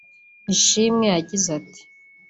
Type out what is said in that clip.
Ishimwe yagize ati